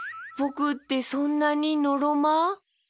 ぼくってそんなにのろま？